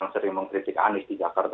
sering mengkritik anies di jakarta